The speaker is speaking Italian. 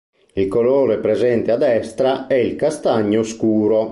Il colore presente a destra è il castagno scuro.